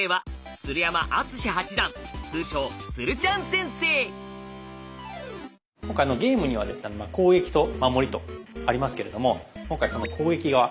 先生はゲームにはですね攻撃と守りとありますけれども今回その攻撃側。